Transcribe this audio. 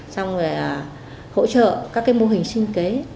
xong rồi hỗ trợ các mô hình sinh kế